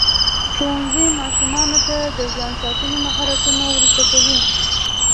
ښوونځی ماشومانو ته د ځان ساتنې مهارتونه ورزده کوي.